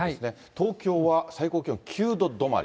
東京は最高気温９度止まり。